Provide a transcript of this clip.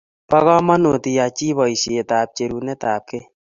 Po kamonut iyai chi poisyek ap cherunet ap key